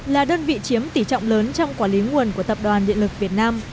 là đơn vị chiếm tỷ trọng lớn trong quản lý nguồn của tập đoàn điện lực việt nam